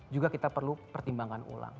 juga kita perlu pertimbangkan ulang